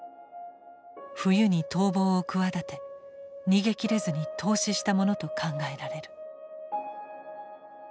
冬に逃亡を企て逃げ切れずに凍死したものと考えられる。